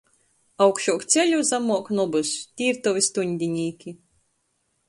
Augšuok ceļu, zamok nobys, tī ir tovi stuņdinīki.